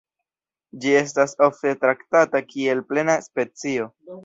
Ĝi estas ofte traktata kiel plena specio.